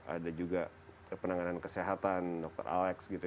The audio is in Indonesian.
ada juga penanganan kesehatan dokter alex